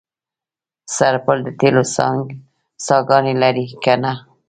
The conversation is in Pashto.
سرپل د تیلو څاګانې لري که نه؟